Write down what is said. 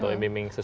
atau emimim sesuatu